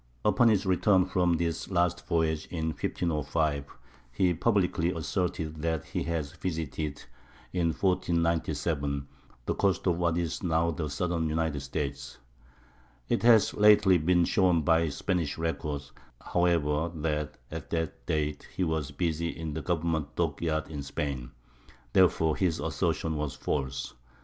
Upon his return from this last voyage, in 1505, he publicly asserted that he had visited, in 1497, the coast of what is now the southern United States. It has lately been shown by Spanish records, however, that at that date he was busy in the government dockyards in Spain; therefore his assertion was false.